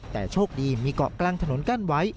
แต่โชคดีมีเกาะกลางถนนกั้นไว้